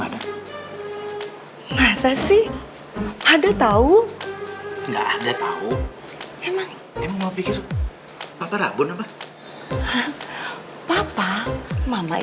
mama udah liat belum